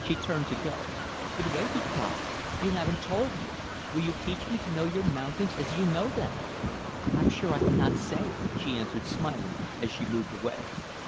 She turned to go. "But wait!" he cried, "you haven't told me will you teach me to know your mountains as you know them?" "I'm sure I cannot say," she answered smiling, as she moved away.